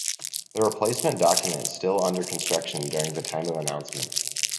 The replacement document still under construction during the time of announcement.